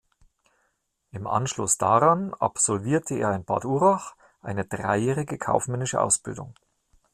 Im Anschluss daran absolvierte er in Bad Urach eine dreijährige kaufmännische Ausbildung.